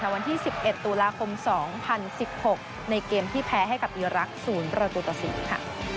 วันที่๑๑ตุลาคม๒๐๑๖ในเกมที่แพ้ให้กับอีรักษ์๐ประตูต่อ๔ค่ะ